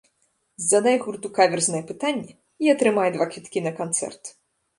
Задай гурту каверзнае пытанне і атрымай два квіткі на канцэрт!